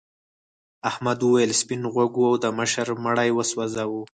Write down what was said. احمد وویل سپین غوږو د مشر مړی وسوځاوه.